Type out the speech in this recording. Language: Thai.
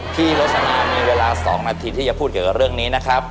พี่รสนามึงเวลาสองนาทีที่จะพูดกับเรื่องนี้นะครับ